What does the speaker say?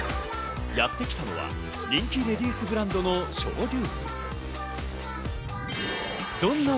やってきたのは人気レディースブランドのショールーム。